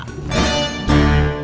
gue udah tau